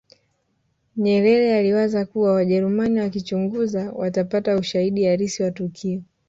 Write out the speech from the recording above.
nyerere aliwaza kuwa wajerumani wakichunguza watapata ushahidi halisi wa tukio